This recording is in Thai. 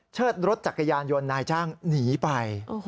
เชิดรถจักรยานยนต์นายจ้างหนีไป